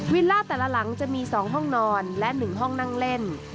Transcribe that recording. วิลล่าแต่ละหลังจะมีสองห้องนอนและหนึ่งห้องนั่งเล่น